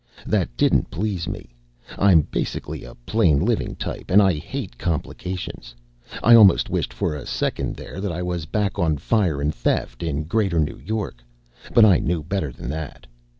That didn't please me. I'm basically a plain living type, and I hate complications. I almost wished for a second there that I was back on Fire and Theft in Greater New York. But I knew better than that.